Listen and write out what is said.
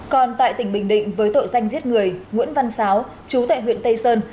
còn tại tỉnh bình định với tội danh giết người nguyễn văn sáu chú tại huyện tây sơn